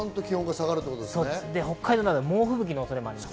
北海道などは猛吹雪の恐れもあります。